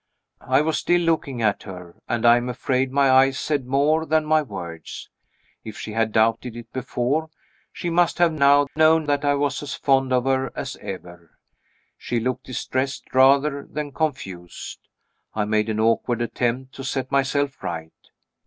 I was still looking at her and I am afraid my eyes said more than my words. If she had doubted it before, she must have now known that I was as fond of her as ever. She looked distressed rather than confused. I made an awkward attempt to set myself right.